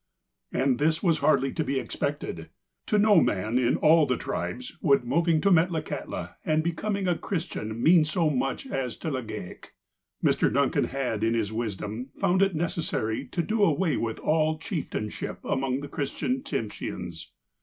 And this was hardly to be expected. To no man in all the tribes would moving to Metlakahtla, and becoming a Christian, mean so much as to Legale. Mr. Duncan had, in his wisdom, found it necessary to do away with all chieftainship among the Christian Tsimsheans.